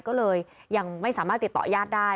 ก็เลยยังไม่สามารถติดต่อญาติได้